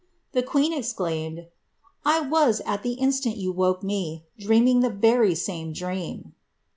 ^ The queen exclaimed, ^ 1 was, at the instant you awoke me, dream ing the very same dream.'